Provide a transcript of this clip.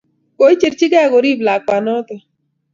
Koicherchikey korip lakwa notok